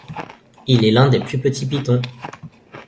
Il est l'un des plus petits pythons.